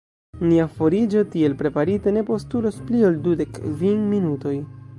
Nia foriĝo, tiel preparite, ne postulos pli ol dudek kvin minutoj.